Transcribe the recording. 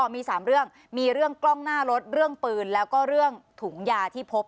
มี๓เรื่องมีเรื่องกล้องหน้ารถเรื่องปืนแล้วก็เรื่องถุงยาที่พบ